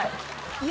いや。